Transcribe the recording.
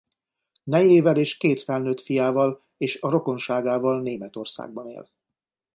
Nejével és két felnőtt fiával és a rokonságával Németországban él.